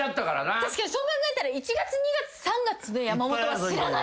確かにそう考えたら１月２月３月の山本は知らない。